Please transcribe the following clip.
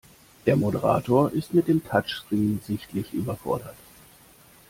Der Moderator ist mit dem Touchscreen sichtlich überfordert.